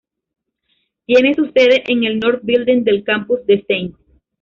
Tiene su sede en el North Building del campus de St.